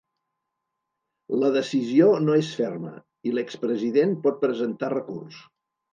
La decisió no és ferma i l’expresident pot presentar recurs.